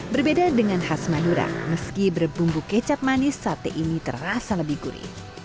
berbeda dengan khas madura meski berbumbu kecap manis sate ini terasa lebih gurih